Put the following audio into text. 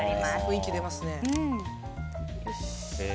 雰囲気出ますね。